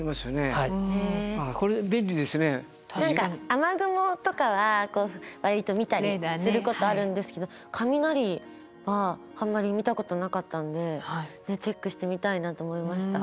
雨雲とかは割と見たりすることあるんですけど雷はあんまり見たことなかったんでチェックしてみたいなと思いました。